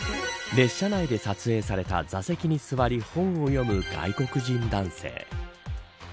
列車内で撮影された座席に座り本を読む外国人男性。